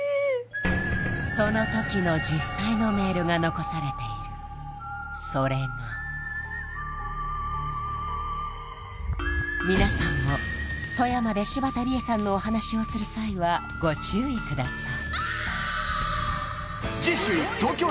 その時の実際のメールが残されているそれが皆さんも富山で柴田理恵さんのお話をする際はご注意ください